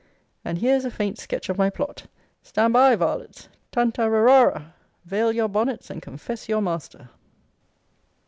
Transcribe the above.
And here's a faint sketch of my plot. Stand by, varlets tanta ra ra ra! Veil your bonnets, and confess your master!